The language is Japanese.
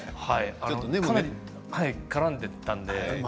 かなり絡んでいったので。